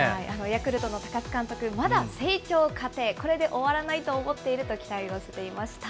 ヤクルトの高津監督、まだ成長過程、これで終わらないと思っていると期待を寄せていました。